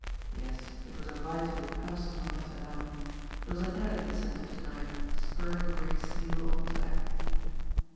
Yes, it was a vitally personal matter now; there was an added incentive to night spurring the Gray Seal on to act.